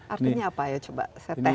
artinya apa ya coba saya tes